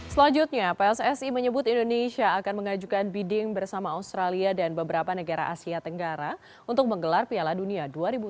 selanjutnya pssi menyebut indonesia akan mengajukan bidding bersama australia dan beberapa negara asia tenggara untuk menggelar piala dunia dua ribu dua puluh